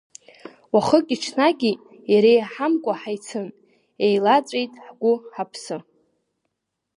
Уахыки-ҽнаки иреиҳамкәа ҳаицын, еилаҵәеит ҳгәы-ҳаԥсы…